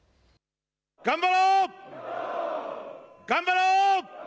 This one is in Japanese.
頑張ろう、頑張ろう！